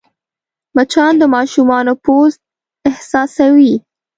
مچان د ماشومانو پوست حساسوې